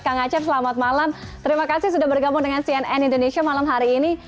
kang acep selamat malam terima kasih sudah bergabung dengan cnn indonesia malam hari ini